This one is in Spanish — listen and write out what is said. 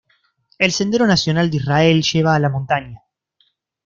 El Sendero Nacional de Israel lleva a la montaña.